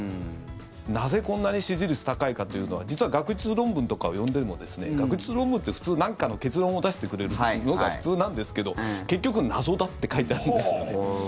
なぜ、こんなに支持率高いかというのは実は学術論文とかを読んでも学術論文って普通なんかの結論を出してくれるのが普通なんですけど結局、謎だって書いてあるんですよね。